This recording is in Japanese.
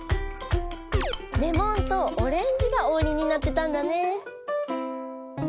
レモンとオレンジがオウリンになってたんだね。